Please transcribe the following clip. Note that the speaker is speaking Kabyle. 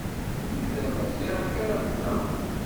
Nek d Amaziɣ, akka ara mmteɣ.